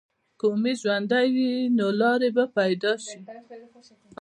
که امید ژوندی وي، نو لارې به پیدا شي.